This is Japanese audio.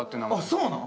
そうなん！？